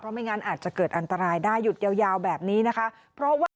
เพราะไม่งั้นอาจจะเกิดอันตรายได้หยุดยาวแบบนี้นะคะ